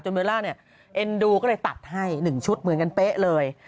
เบลล่าเนี่ยเอ็นดูก็เลยตัดให้๑ชุดเหมือนกันเป๊ะเลย